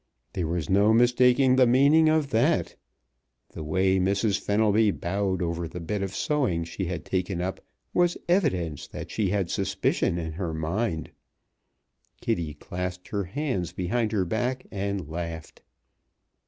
There was no mistaking the meaning of that. The way Mrs. Fenelby bowed over the bit of sewing she had taken up was evidence that she had suspicion in her mind. Kitty clasped her hands behind her back and laughed.